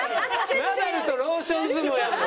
ナダルとローション相撲やるの？